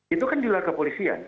itu kan di luar kepolisian